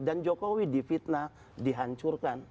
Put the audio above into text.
dan jokowi di fitnah dihancurkan